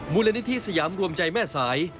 มูลนิธิสยามรวมใจแม่สาย